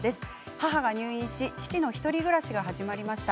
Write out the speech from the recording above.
母が入院し父の１人暮らしが始まりました。